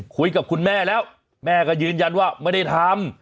คุยกับคุณแม่แล้วแม่ก็ยืนยันว่าไม่ได้ทำ